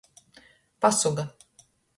Pasuga.